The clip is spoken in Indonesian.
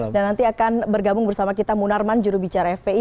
dan nanti akan bergabung bersama kita munarman jurubicara fpi